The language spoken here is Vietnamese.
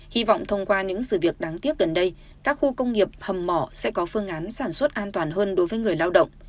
hy vọng thông qua những sự việc đáng tiếc gần đây các khu công nghiệp hầm mỏ sẽ có phương án sản xuất an toàn hơn đối với người lao động